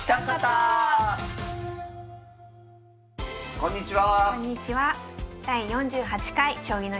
こんにちは。